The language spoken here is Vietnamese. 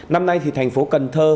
năm nay thì thành phố cần thơ